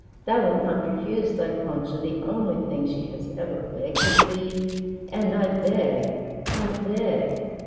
"Thou wilt not refuse thy Concha the only thing she has ever begged of thee. And I beg! I beg!